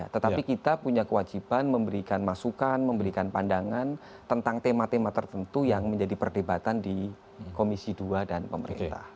tetapi kita punya kewajiban memberikan masukan memberikan pandangan tentang tema tema tertentu yang menjadi perdebatan di komisi dua dan pemerintah